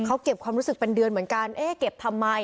เขาเก็บความรู้สึกเป็นเดือนเหมือนกันเอ๊ะเก็บทำไม